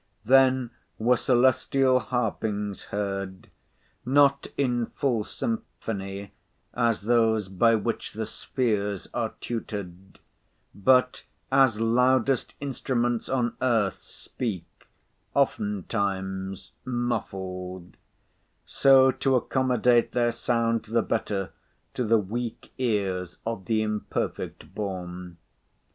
Then were celestial harpings heard, not in full symphony as those by which the spheres are tutored; but, as loudest instruments on earth speak oftentimes, muffled; so to accommodate their sound the better to the weak ears of the imperfect born.